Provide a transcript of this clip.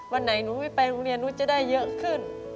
วันไหนหนูไม่ไปโรงเรียนหนูจะได้เยอะขึ้น